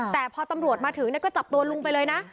แต่พอตำรวจมาถึงก็จับตัวลุงไปเลยนะ